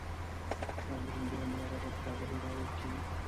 ښایي له همدې امله راهب ته بحیرا ویل کېږي.